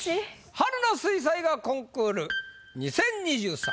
春の水彩画コンクール２０２３